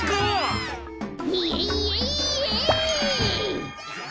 イエイエイエイ！